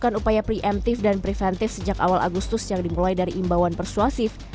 melakukan upaya preemptif dan preventif sejak awal agustus yang dimulai dari imbauan persuasif